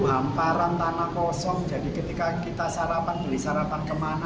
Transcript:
hamparan tanah kosong jadi ketika kita sarapan beli sarapan kemana